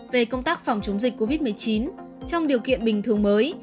về công tác phòng chống dịch covid một mươi chín trong điều kiện bình thường mới